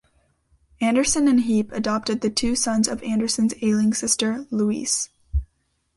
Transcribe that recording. Anderson and Heap adopted the two sons of Anderson's ailing sister, Lois.